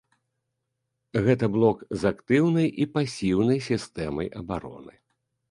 Гэта блок з актыўнай і пасіўнай сістэмай абароны.